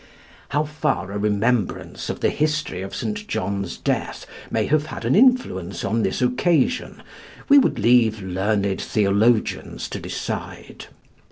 How far a remembrance of the history of St. John's death may have had an influence on this occasion, we would leave learned theologians to decide.